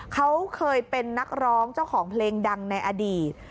เขาเคยเป็นนักร้องเจ้าของเพลงดังในอดีต